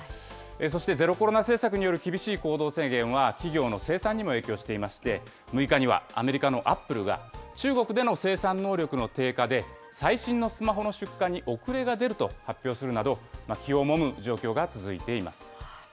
そしてゼロコロナ政策による厳しい行動制限は、企業の生産にも影響していまして、６日にはアメリカのアップルが、中国での生産能力の低下で最新のスマホの出荷に遅れが出ると発表するなど、気をもむ状況が続いています。